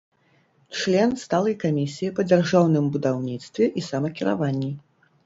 Член сталай камісіі па дзяржаўным будаўніцтве і самакіраванні.